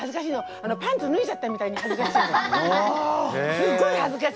すっごい恥ずかしいの。